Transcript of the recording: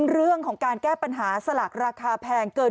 เรื่องของการแก้ปัญหาสลากราคาแพงเกิน